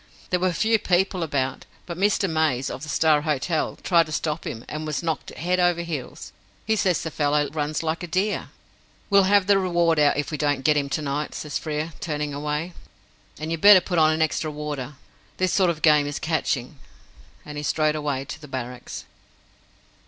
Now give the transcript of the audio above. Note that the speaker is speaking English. There were few people about, but Mr. Mays, of the Star Hotel, tried to stop him, and was knocked head over heels. He says the fellow runs like a deer." "We'll have the reward out if we don't get him to night," says Frere, turning away; "and you'd better put on an extra warder. This sort of game is catching." And he strode away to the Barracks.